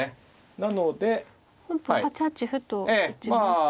なので本譜８八歩と打ちました。